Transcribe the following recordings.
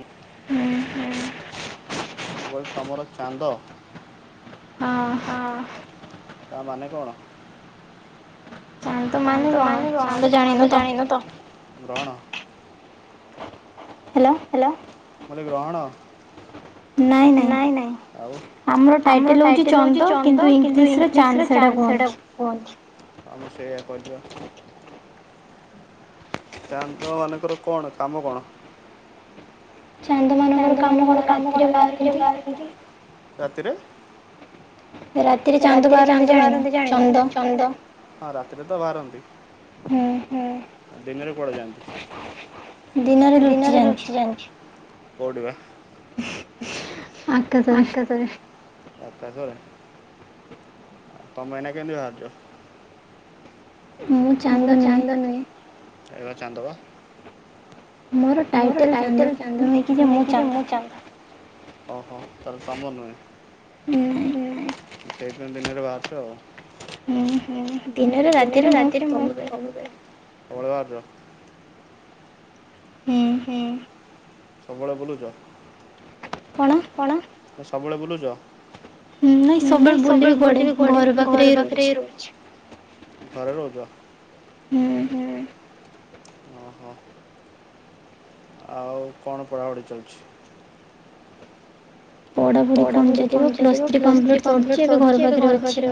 ଉଁ, ଉଁ ମୁଁ କହିଲି ତମର ଚାନ୍ଦ। ହଁ ତା ମାନେ କଣ? ଚାନ୍ଦ ମାନେ କଣ? ଚାନ୍ଦ ଜଣିନ ତ? ଗ୍ରହଣ। ହ୍ୟାଲୋ। ହ୍ୟାଲୋ, ମାନେ ଗ୍ରହଣ, ନାଇଁ ନାଇଁ। ଆମ ଟାଇଟେଲ ହଉଛି ଚନ୍ଦ, କିନ୍ତୁ ଇଂଲିଶରେ ଚାନ୍ଦ ସେଇଟା ହଁ ମୁଁ ସେଇଆ କହିଲି ବା। ଚାନ୍ଦ ମାନଙ୍କର କଣ, କାମ କଣ? ଚାନ୍ଦ ମାନଙ୍କର କାମ କଣ ରାତିରେ ବାହରିବେ। ରାତିରେ ଚାନ୍ଦ ବାହାରନ୍ତି ଜାଣିନ, ଚନ୍ଦ ହଁ ରାତିରେ ତ ବାହାରନ୍ତି। ଦିନରେ କୁଆଡ ଯାଆନ୍ତି? ଦିନରେ ଲୁଚି ଯାଆନ୍ତି। କୋଉଠି‌ ବା? ଆକାଶରେ। ଆକାଶରେ? ତମେ‌ ଏଇନା କେନ୍ତି ବାହାରୁଚ? [inaudible] ମୁଁ ଚାନ୍ଦ ନୁହେଁ। ଏଇ ପା ଚାନ୍ଦ ବା। ମୋର ଟାଇଟେଲ ଚାନ୍ଦ। ନୁହେଁକି ଯେ ମୁଁ ଚାନ୍ଦ। ଓହୋ ତାହାଲେ ତମ ନୁହେଁ। ହୁଁ, ସେଇଥିପାଇ‌ଁ ଦିନରେ ବାହାରୁଛ ଆଉ। ହୁଁ ଦିନରେ, ରାତିରେ ମୁଁ ସବୁବେଳେ। ସବୁବେଳେ ବାହାରୁଚ? ହୁଁ। ସବୁବେଳେ ବୁଲୁଚ? କଣ? ସବୁବେଳେ ବୁଲୁଚ? ନାଇଁ ସବୁବେଳେ ବୁଲିବି କୁଆଡେ? ଘର ପାଖରେ ହି ରହୁଛି। ଘରେ ରହୁଛ? ହୁଁ, ଓହୋ। ଆଉ କଣ ପଢ଼ାପଢ଼ି ଚାଲିଛି? ପଢ଼ାପଢ଼ି କଣ ଚାଲିବ? ପ୍ଲସ୍ ଥ୍ରୀ କମ୍ପ୍ଲିଟ୍ ସରିଛି, ଏବେ ଘର ପାଖରେ ଅଛି।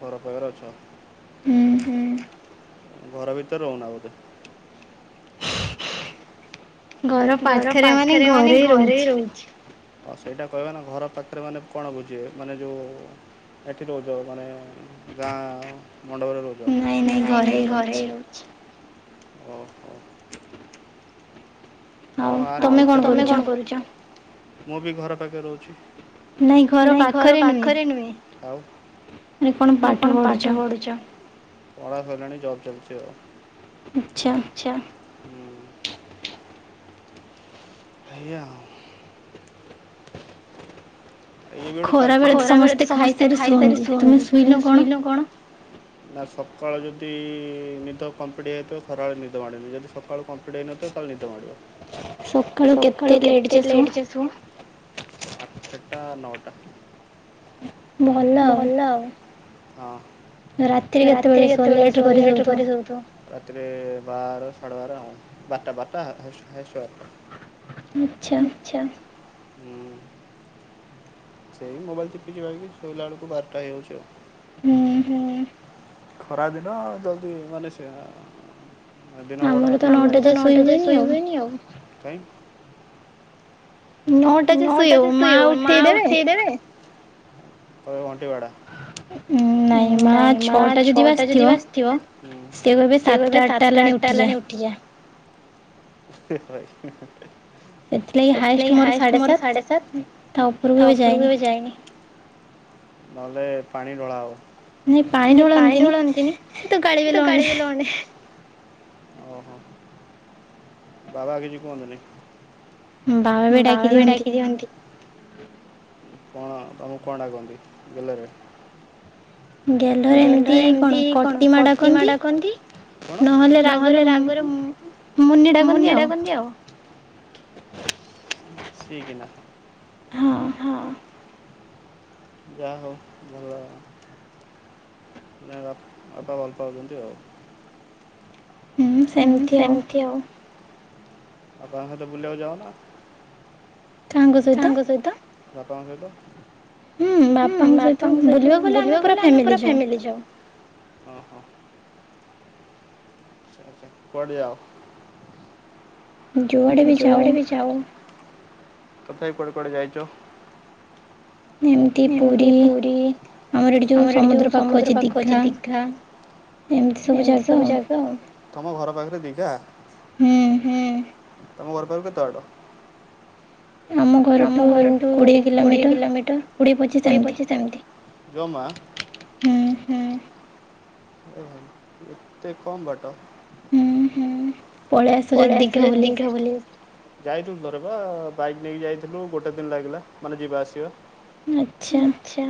ଘର ପାଖରେ ଅଛ ଘର ଭିତରେ ରହୁନା ବୋଧେ। ଘର ପାଖରେ ମାନେ ଘରେ ରହୁଛି। ହଁ ସେଇଟା କହିବେ ନା ଘର ପାଖରେ ମାନେ କଣ ବୁଝିବେ ମାନେ ଯୋଉ ଏଠି ରହୁଛ ମାନେ ଗାଁ ମଣ୍ଡପରେ ରହୁଛ। ନାଇଁ ନାଇଁ ଘରେ ହି ରହୁଛି। ତମ ଗାଁ ରେ କେତେ ଲୋକ ମୁଁ ବି ଘର ପାଖେରେ ରହୁଛି। ନାଇଁ ଘର ପାଖରେ ନୁହେଁ। ଆରେ କଣ ପାଠ ପଢୁଛ? ପଢା ସରିଲାଣି ଜବ୍ ଚାଲିଚି ଆଉ ହୁଁ। ଏଇଆ ଆଉ। ଖରାବେଳେ ତ ସମସ୍ତେ ଖାଇସାରି ଶୁଅନ୍ତି ତୁମେ ଶୁଇନ କଣ। ନା ସକାଳୁ ଯଦି ନିଦ କମ୍ପ୍ଲିଟ୍ ହେଇଜାଇଥିବ ଖରାବେଳେ ନିଦ ମାଡ଼େନି ଯଦି ସ ସକାଳୁ କପ୍ଲିଟି ହେଇନଥିବ ତାହେଲେ ନିଦ ମାଡ଼ିବ। ଆଠଟା ନଅଟା। ଭଲ ଆଉ। ରାତିରେ କେତେବେଳେ ଶୁଅ ଲେଟକରି ସୋଉଥିବ। ରାତିରେ ବାର ସାଢ଼େ ବାର ଆଉ ବାରଟା ବାରଟା ହାଇଏଷ୍ଟ ବାରଟା। ଆଚ୍ଛା। ଆଛା। ସେଇ ମୋବଇଲ ଚିପି ଚୁପା କି ଶୋଇଲା ବେଳକୁ ବାରଟା ହେଇଯାଉଚି ଆଉ। ହୁଁ ଖରା ଦିନ ଜଲଦି ମାନେ ସେଆ। ଆମର ତ ନଅଟା ଯାଏ ଶୋଇ ହୁଏନି ଆଉ। ନଅଟା ଯାଏ ସୋଇହବ ମା ଉଠେଇ ଦେବେ। ନାଇଁ ମା ଛଅଟା ଯଦି ବାଯିଥିବ ସେ ଭାବିବେ ସାତଟା ଆଠଟା ହେଲାଣି ଉଠିଯା। ଏଥିଲାଗି ହାଇଏଷ୍ଟ ମୋର ସା ମୋର ସାଢେ ସାତେ ତା ଉପରକୁ କେବେ ଯାଇନି। ନହେଲେ ପାଣି ଢଳା ହବ। ନାଇଁ ପାଣି ଢାଳନ୍ତିନି କିନ୍ତୁ ଗାଳିବେ ନହେଲେ। ଓହୋ। ବାବା କିଛି କୁହନ୍ତିୁନି? ବାବା ବି ଡାକି ଦିଅନ୍ତି। ହଁ ତମକୁ କଣ ଡାକନ୍ତି ଗେଲେରେ? ଗେଲରେ ଏମିତି କଣ କଟି ମା ଡାକନ୍ତି। ନହେଲେ ରାଗରେ ମୁଁ ମୁନି ଡାକନ୍ତିି ଆଉ। ସିଏ କି ନା। ହଁ। ହଁ। ଯା ହୋଉ ଭଲ। ନାଇ ବାପା ଭଲ ପାଉଛନ୍ତି ଆଉ। ହୁଁ। ହୁଁ ସେମିତି ଆଉ। କାହାଙ୍କ ସହିତ। ହୁଁ ବାପାଙ୍କ ସହିତ ବୁଲିବାକୁ ଗଲେ ଆମେ ପୁରା ଫାମିଲି ଯାଉ। କୁଆଡେ ଯାଅ। ଜୁଆଡେ ବି ଯାଉ। ଏମିତି ପୁରୀ ଆମର ଏଠି ଯୋଉ ସମୁଦ୍ର ପାଖ ଅଛି ଦୀଘା ଏମତି ସବୁ ଜାଗା। ହୁଁ ତମ ଘର ପାଖରୁ କେତେ ବାଟ? ଆମ ଘରଠୁ କୋଡିଏ କିଲୋମିଟର କୋଡିଏ ପଚିଶି ଏମିତି। ହୁଁ। ଏତେ କମ୍ ବାଟ। ହୁଁ ପଳେଇ ଆସ ଯଦି ଦୀଘା ବୁଲିବ। ଯାଇଥିଲୁ ଥରେ ପା ବାଇକ୍ ନେଇକି ଯାଇଥିଲୁ ଗୋଟେ ଦିନ ଲାଗିଲା ମାନେ ଯିବା ଆସିବା। ଆଚ୍ଛା।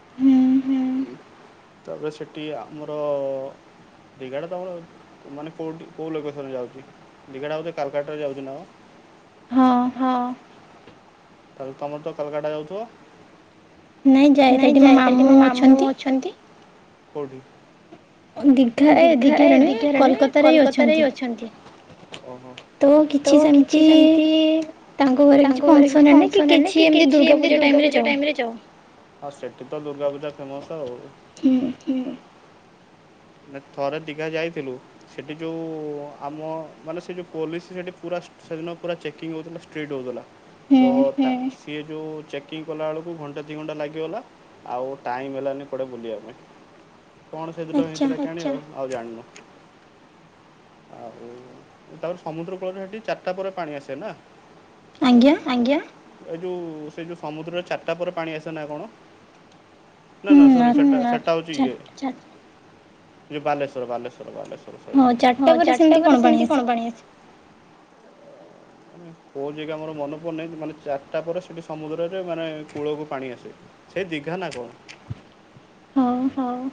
ହୁଁ। ମାନେ କୋଉଠି କୋଉ ଲୋକେସନ୍ ରେ ଯାଉଚି ଦିଘା ଟା ବୋଧେ କାଲ୍କାଟା ରେ ଯାଉଚି ନା କଁ। ହଁ। ନାଇଁ ଯାଏ ସେଠି ମୋ ମାମୁଁ ଅଛନ୍ତି। ଓ ଦୀଘା ଏ ଦିଘାରେ ନୁହେଁ କଲ୍କତା ହି ଅଛନ୍ତି। ତ କିଛି ସେମିତି ତାଙ୍କ ଘରେ କିଛି ଫଙ୍କସନ୍ ହେଲେ କି କିଛି ଏମତି ଦୁର୍ଗା ପୂଜା ଟାଇମ୍ ରେ ଯାଉ। ହୁଁ। ହୁଁ। ଥିଲୁ ସେଠି ଯୋଉ ଆମ ମାନେ ସେ ଯୋଉ ପୋଲିସି୍ ସେଠି ପୁରା ସେଦିନ ପୁରା ଚେକିଂ ହଉଥିଲା ଷ୍ଟ୍ରିଟ୍ ହଉଥିଲା। ତ ସିଏ ଯୋଉ ଚେକିଂ କଲା ବେଳକୁ ଘଣ୍ଟା ଦି ଘଣ୍ଟା ଲାଗିଗଲା ଆଉ ଟାଇମ୍ ହେଲାନି କୁଆଡେ ବୁଲିବା ପାଇଁ। କଣ ସେଦିନ ହେଇଥିଲା କେଆଣି ଆଉ ଜାଣିନୁ। ଆଉ ତାପରେ ସମୁଦ୍ର କୂଳରେ ସେଠି ଚାରିଟା ପରେ ପାଣି ଆସେ ନା। ଆଜ୍ଞା। ଏ ଯୋଉ ସେ ଯୋଉ ସମୁଦ୍ରରେ ଚାରିଟା ପରେ ପାଣି ଆସ ନା କଣ? ନା ନା ସରି ସେଟା ହଉଚି ଇଏ ଯୋ ବାଲେଶ୍ଵର ବାଲେଶ୍ଵର। ହଁ ଚାରିଟା ପରେ ସେମିତି କଣ ପାଣି ଆସେ? କୋଉ ଯେଗା ମୋର ମନେ ପଡୁନାଇଁ ମାନେ ଚାରିଟା ପରେ ସେଠି ସମୁଦ୍ରରେ ମାନେ କୂଳକୁ ପାଣି ଆସେ। ସେ ଦିଘା ନା କଣ। ହଁ।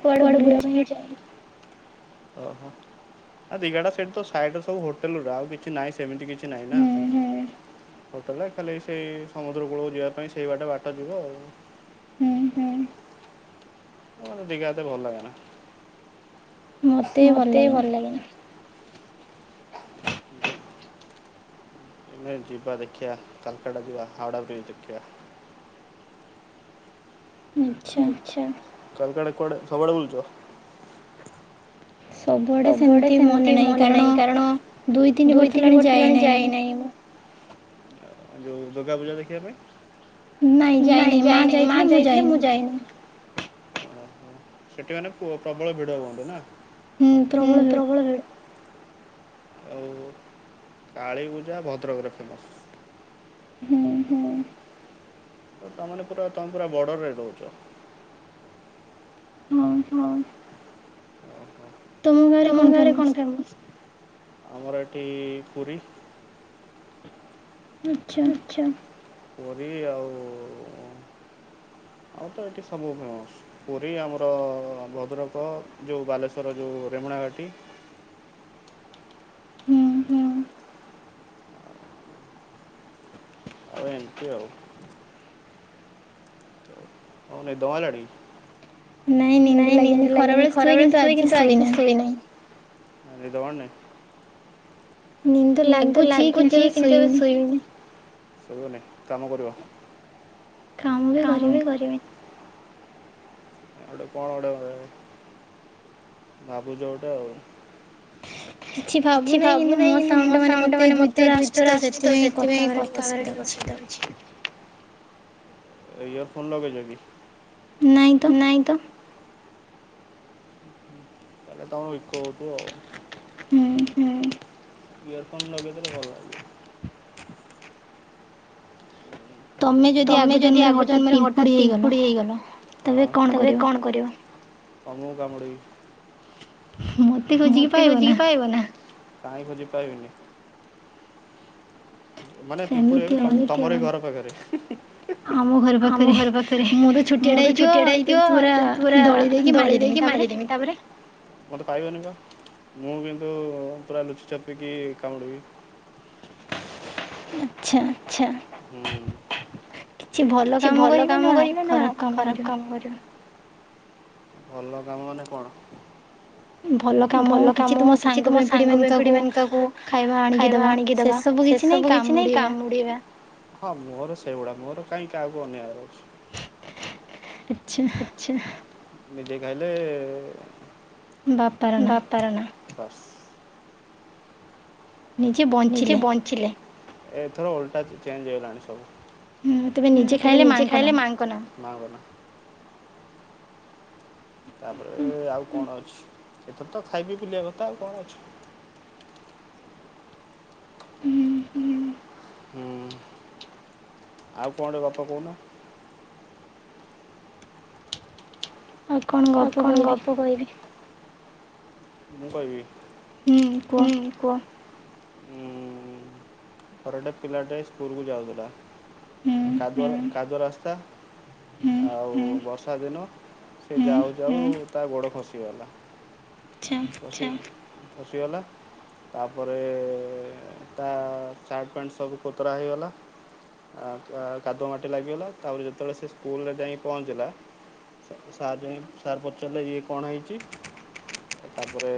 କୁଆଡେ ବୁଲିବା ପାଇଁ ଯାଇଚ? ଆ ଦିଘାଟା ସେଇଠି ତ ସାଇଡ୍ ସବୁ ହୋଟେଲ୍ ଗୁରା ଆଉ କିଛି ନାଇଁ ସେମିତି କିଛି ନାଇଁ ନା। ହୋଟେଲେ ଖାଲି ସେଇ ସମୁଦ୍ର କୂଳକୁ ଯିବା ପାଇଁ ସେଇ ବାଟେ ବାଟ ଯିବ ଆଉ। ହୁଁ। କଣ ଦିଘା ଏତେ ଭଲ ଲାଗେନା। ଏନେ ଯିବା ଦେଖିବା କାଲ୍କାଟା ଯିବା ହୱଡାା ବ୍ରିଜ୍ ଦେଖିବା। କାଲ୍ କାଟା କୁଆଡେ ସବୁଆଡେ ବୁଲିଚ? ସବୁଆଡେ ସେମିତି ମନେ ନାଇଁ କାରଣ ଦୁଇ ତିନି ବର୍ଷ ହେଲାଣି ଯାଇ ନାଇଁ ମୁଁ। ଆ ଯୋଉ ଦୁର୍ଗା ପୂଜା ଦେଖିଆ ପାଇଁ? ନାଇଁ ଯାଇନାଇଁ ମା ଯାଇଥିଲେ ମୁଁ ଯାଇନି। ସେଠି ପୁ ମାନେ ପ୍ରବଳ ଭିଡ ହୁଅନ୍ତୁ ନାଁ? ପ୍ରବଳ ଭିଡ। ଆଉ କାଳୀପୂଜା ଭଦ୍ରକରେ ଫେମସ୍। ହୁଁ ତା ମାନେ ପୁରା ତମେ ପୁରା ବର୍ଡର ରେ ରହୁଛ। ହଁ। ତମ ଘରେ କଣ ଫେମସ୍? ଆମର ଏଠି ପୁରୀ। ଆଛା ପୁରୀ ଆଉ ଆଉ ତ ଏଠି ସବୁ ଫେମସ। ପୁରୀ ଆମର ଭଦ୍ରକ ଯେଉଁ ବାଲେଶ୍ୱର ଯେଉଁ ରେମୁଣାଘାଟି। ହୁଁ। ଆଉ ଏମିତି ଆଉ। ଓ ତମକୁ ନିଦ ମାଇଲାନି? ନାଇଁ ନିନ୍ଦ ଲାଗେନି ଖରା ବେଳେ ଶୁଇ କିନ୍ତୁ ଆଜି ଶୁଇନି। ଆଉ ନିଦ ମାଡୁନି? ନିଦ ଲାଗୁଛି କିନ୍ତୁ ଏବେ ଶୋଇବିନି। କାମ କରିବ? କାମ ବି କରିବିନି। ଆଉ ଗୋଟେ କଣ ଗୋଟେ ଭାବୁଛ ଗଟେ ଆଉ। କିଛି ଭାବୁନାହିଁ କିନ୍ତୁ ମୋ ସାଉଣ୍ଡ ମାନେ ମତେ ଦୁଇଥର ଆସୁଛି ତ ସେଥିପାଇଁ କଥା ହେବାରେ ଟିକେ ଅସୁବିଧା। ଦଉଛି। ଇଅର ଫୋନ ଲଗେଇଛ କି? ନାଇଁ ତ। ନ ହେଲେ ତମର ଇକୋ ହଉଥିବ ଆଉ। ହୁଁ ଇଅରଫୋନ ଲଗେଇଦଲେ ଭଲ ଲାଗିବ। ତମେ ଯଦି ଆଗ ଜନ୍ମରେ ହଠତ୍ ପିମ୍ପୁଡି ହେଇଗଲ ହଁ ତା ପରେ କଣ କରିବ? ମତେ ଖୋଜିକି ପାଇବ ନା କହିଁ ଖୋଜିକି ପାଇବିନି। ମାନେ ପିମ୍ପୁଡି ହେବି ତମର ବି ଘର ପାଖରେ। ଆମ ଘର ପାଖରେ ମୋର ଛୁଟିଆ ଟା ହେଇଥିବ ପୁରା ଦଳି ଦେଇକି ମାରି ନିମି ତା ପରେ ମୋତେ ପାଇବନି ବା ମୁଁ କିନ୍ତୁ ପୁରା ଲୁଚି ଛପିକି କାମୁଡ଼ିଦେବି। ଆଛା ହୁଁ। କିଛି ଭଲ କାମ କରିବ ନା ଖରାପ କାମ କରିବ? ଭଲ କାମ ମାନେ କଣ? ଭଲ କାମ କିଛି ତୁମ ସାଙ୍ଗ ପାଇଁ ପିମ୍ପୁଡ଼ି ମାନକୁ ଖାଇବା ଆଣିକି ଦବା। ସେ ସବୁ କିଛି ନାଇଁ କାମୁଡିବା। ହଁ ମୋର ସେଇଭଳିଆ ମୋର କାହିଁକି ଅନେଇବର୍ ଅଛି? ଆଛା। ଛା ନିଜେ ଖାଇଲେ ବାତାର ନା। ବାସ ନିଜେ ବଞ୍ଚିଲେ ଏଥର ଓଲଟା ଚେଞ୍ଜ ହେଇଗଲାଣି ସବୁ। ହୁଁ ତବେ ନିଜେ ଖାଇଲେ ମାଙ୍କ ନା। ମା ଙ୍କ ନାଁ ତାପରେ ଆଉ କଣ ଅଛି ଏଥର ତ ଖାଇକି ବୁଲିବା କଥା ଆଉ କଣ ଅଛି? ହୁଁ ଆଉ କଣ ଗପ କହୁନ? ଆଉ କଣ ଗପ କହିବି? କୋଇିବି [unintelligible] ମୁଁ କହିବି ହୁଁ କୁହ? ଥରଟେ ପିଲାଟେ ସ୍କୁଲକୁ ଯାଉଥିଲା। କାଦୁଅ ରାସ୍ତା। ଆଉ ବର୍ଷା ଦିନ ସେ ଯାଉ ଯାଉ ତା ଗୋଡ ଖସିଗଲା। ଆଚ୍ଛା। [unintelligible] ତାପରେ ତା ସାର୍ଟ ପ୍ୟାଣ୍ଟ ସବୁ କୋତରା ହେଇଗଲା। କାଦୁଅ ମାଟି ଲାଗିଗଲା, ତାପରେ ଯେତେବେଳେ ସେ ସ୍କୁଲରେ ଯାଇକି ପହଞ୍ଚିଲା ସାର୍ ଯାଇଁକି ସାର୍ ପଚାରିଲେ ଇଏ କଣ ହେଇଛି? ତାପରେ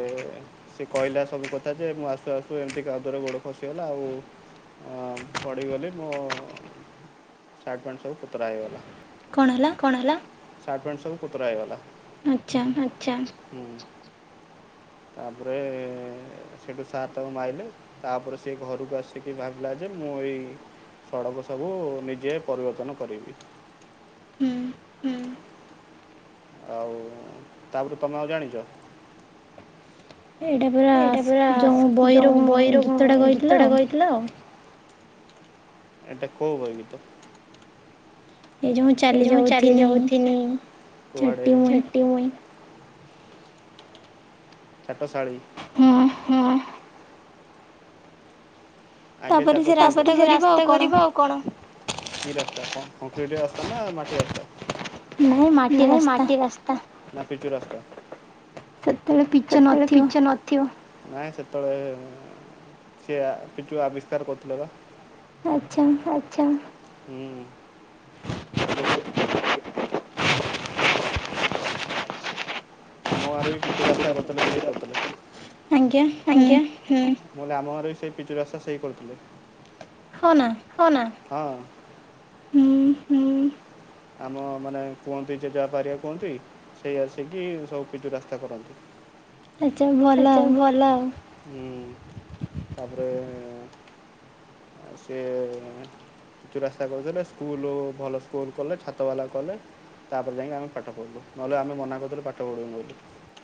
ସେ କହିଲା ସବୁ କଥା ଯେ ମୁଁ ଆସୁ ଆସୁ ଏମିତି କାଦୁଅରେ ଗୋଡ ଖସିଗଲା ଆଉ। ହଁ ପଡିଗଲି। ମୋ ସାର୍ଟ, ପ୍ୟାଣ୍ଟ୍ ସବୁ କୋତରା ହେଇଗଲା। କଣ ହେଲା? କଣ ହେଲା? ସାର୍ଟ, ପ୍ୟାଣ୍ଟ୍ ସବୁ କୋତରା ହେଇଗଲା। ଆଚ୍ଛା। ଆଚ୍ଛା। ତାପରେ ସେଠୁ ସାର୍ ତାକୁ ମାଇଲେ। ତାପରେ ସେ ଘରକୁ ଆସିକି ଭାବିଲା ଯେ ମୁଁ ଏଇ ସଡ଼କ ସବୁ ନିଜେ ପରିବର୍ତ୍ତନ କରେଇବି। ଆଉ ତାପରେ ତମେ ଆଉ ଜାଣିଛ? ଏଇଟା ପୁରା ଯୋଉଁ ବହିର ଗୀତଟା କହିଥିଲ ଆଉ। ହ୍ୟାଲୋ। ଏଇଟା କୋଉ ବହି ଗୀତ? ଏ ଯୋଉ ମୁଁ ଚାଲି ଯାଉଥିନି ଛୋଟ ଚାଟସାଳୀ। ହଁ। ହୁଁ। ତାପରେ ସେ ରାସ୍ତା କରିବ ଆଉ କଣ? କି ରାସ୍ତା କଂକ୍ରିଟ ରାସ୍ତା ନା ମାଟି ରାସ୍ତା? ନା ପିଚୁ ରାସ୍ତା। ସେତେବେଳେ ପି ସେତେବେଳେ ପିଚୁ ନଥିବ। ନାଇଁ ସେତେବେଳେ ସିଏ ପିଚୁ ଆବିଷ୍କାର କରୁଥିଲେ ବା। ଆଚ୍ଛା। ଆଚ୍ଛା। [unintelligible] [inaudible] ମୁଁ କହିଲି ଆମ ଗାଁରେ ବି ସେଇ ପିଚୁ ରାସ୍ତା ସେଇ କରିଥିଲେ। ହଁ ନା? ହଁ ନା, ହୁଁ। ଆମ ମାନେ କୁହନ୍ତି, ଜେଜବାପା ହେରିଆ କୁହନ୍ତି ସିଏ ଆସିକି ଭଲ ଆଉ। ତାପରେ ସିଏ ପିଚୁ ରାସ୍ତା କରିଥିଲେ, ସ୍କୁଲ ଭଲ ସ୍କୁଲ କଲେ ଛାତ ବାଲା କଲେ। ତାପରେ ଯାଇଁକି ଆମେ ପାଠ ପଢିଲୁ ନହେଲେ ଆମେ ମନା କରିୁଥିଲେ ପାଠ ପଢିବୁନୁ ବୋଲି।